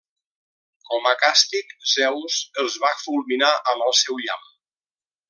Com a càstig, Zeus els va fulminar amb el seu llamp.